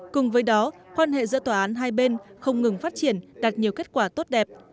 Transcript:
cùng với đó quan hệ giữa tòa án hai bên không ngừng phát triển đạt nhiều kết quả tốt đẹp